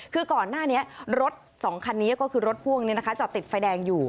คือก่อนหน้านี้รถ๒คันนี้ก็คือรถพ่วงจอดติดไฟแดงอยู่